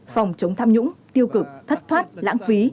phòng chống tham nhũng tiêu cực thất thoát lãng phí